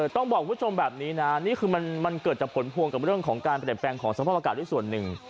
ต้องบอกคุณผู้ชมแบบนี้นะนี่คือมันเกิดจากผลพวงกับเรื่องของการเปลี่ยนแปลงของสภาพอากาศด้วยส่วนหนึ่ง